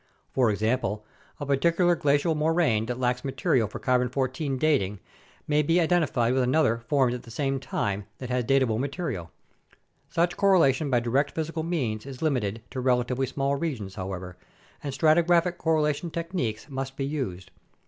For example, a particular glacial moraine that lacks material for 14 C dating may be identified with another formed at the same time that has datable ma terial. Such correlation by direct physical means is limited to relatively small regions, however, and stratigraphic correlation techniques must be used.